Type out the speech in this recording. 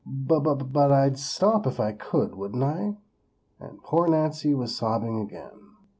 "B b b but I'd stop if I could, wouldn't I?" and poor Nancy was sobbing again.